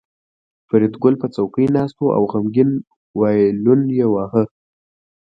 فریدګل په څوکۍ ناست و او غمګین وایلون یې واهه